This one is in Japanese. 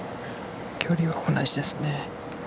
距離は同じですね。